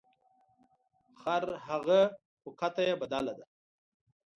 خرهغه خو کته یې بدله ده .